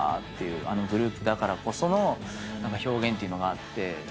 あのグループだからこその表現っていうのがあって。